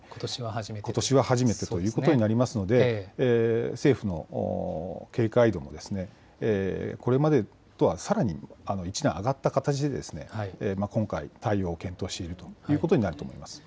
ことしは初めてということになりますので、政府の警戒度もこれまでとはさらに一段上がった形で今回、対応を検討しているということになると思います。